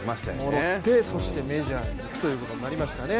戻って、そしてメジャーに行くということになりましたね。